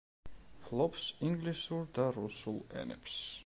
ფლობს ინგლისურ და რუსულ ენებს.